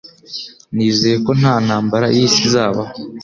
Nizeye ko nta ntambara y'isi izabaho.